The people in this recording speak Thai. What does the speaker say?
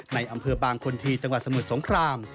ในอำเภอบางคนที่จังหวัดสมุทรสงคราม